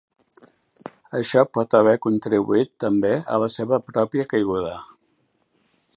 Això pot haver contribuït també a la seva pròpia caiguda.